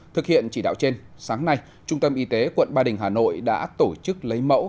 thực hiện chỉ đạo trên sáng nay trung tâm y tế quận ba đình hà nội đã tổ chức lấy mẫu